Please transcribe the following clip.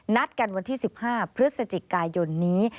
นัดกันวันที่๑๕พฤศจิกายนนี้